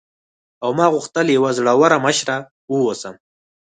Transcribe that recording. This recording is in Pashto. او ما غوښتل یوه زړوره مشره واوسم.